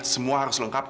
semua harus lengkap